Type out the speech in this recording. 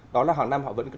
đó là hàng năm họ vẫn cố gắng